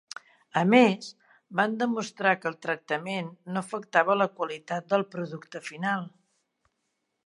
A més van demostrar que el tractament no afectava la qualitat del producte final.